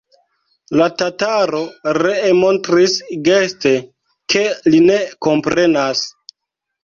La tataro ree montris geste, ke li ne komprenas.